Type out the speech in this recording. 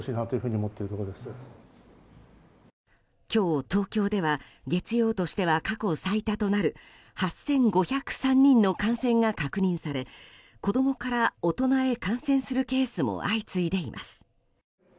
今日、東京では月曜としては過去最多となる８５０３人の感染が確認され子供から大人へ感染するケースも相次いでいます。